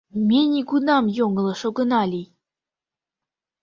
«Ме нигунам йоҥылыш огына лий.